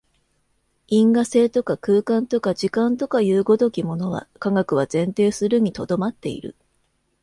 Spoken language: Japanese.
因果性とか空間とか時間とかという如きものは、科学は前提するに留まっている。